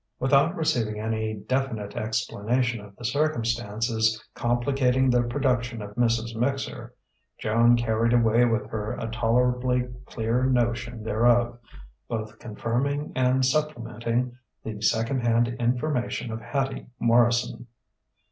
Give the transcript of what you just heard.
Without receiving any definite explanation of the circumstances complicating the production of "Mrs. Mixer," Joan carried away with her a tolerably clear notion thereof, both confirming and supplementing the second hand information of Hattie Morrison.